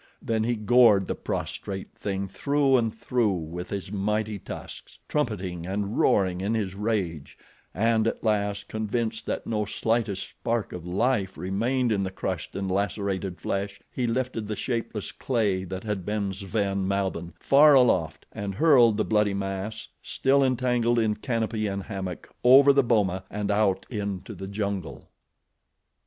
Then he gored the prostrate thing through and through with his mighty tusks, trumpeting and roaring in his rage, and at last, convinced that no slightest spark of life remained in the crushed and lacerated flesh, he lifted the shapeless clay that had been Sven Malbihn far aloft and hurled the bloody mass, still entangled in canopy and hammock, over the boma and out into the jungle.